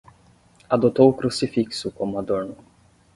Adotou o crucifixo como adorno